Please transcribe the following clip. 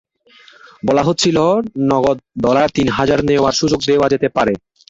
বলা হচ্ছিল, নগদ ডলার তিন হাজার নেওয়ার সুযোগ দেওয়া যেতে পারে।